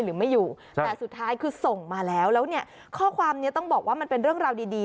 หรือไม่อยู่แต่สุดท้ายคือส่งมาแล้วแล้วเนี่ยข้อความนี้ต้องบอกว่ามันเป็นเรื่องราวดีดี